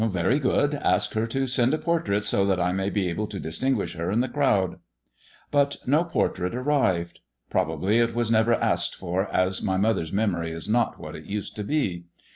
" Very good. Ask her to send a portrait, so that I may be able to distinguish her in the crowd." But no portrait arrived. Probably it was never asked for, as my mother's memory is not what it used to be.